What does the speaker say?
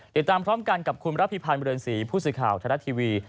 ติดตามพร้อมกันกับคุณระภิพันธ์บริเวณศรีผู้สื่อข่าวทะละทีวี